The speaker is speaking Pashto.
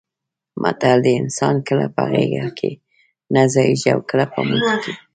متل دی: انسان کله په غېږه کې نه ځایېږي اوکله په موټي کې.